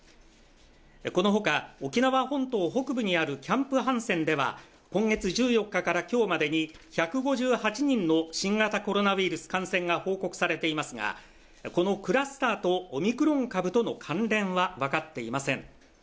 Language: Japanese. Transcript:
このほか沖縄本島北部にあるキャンプ・ハンセンでは今月１４日から今日までに１５８人の新型コロナウイルス感染が報告されていますが、このクラスターとオミクロン株との関連は分かっていません。